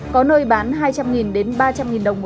có nơi bán hai trăm linh đến ba trăm linh đồng một